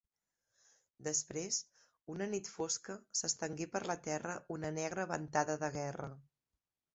Després, una nit fosca s'estengué per la terra una negra ventada de guerra.